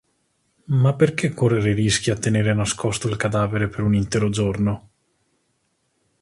Ma perché correre rischi a tenere nascosto il cadavere per un intero giorno?